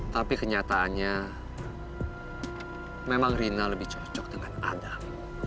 tapi kenyataannya memang rina lebih cocok dengan adam